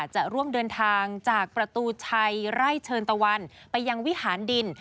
จะร่วมเดินทางจากประตูชัยไร่เชิญตะวันไปยังวิหารดิน